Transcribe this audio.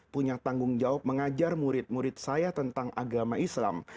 punya tanggung jawab mengajar murid murid saya tentang agama islam